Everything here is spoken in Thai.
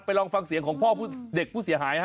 ลองฟังเสียงของพ่อเด็กผู้เสียหายฮะ